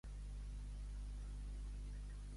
Soltar una espècie.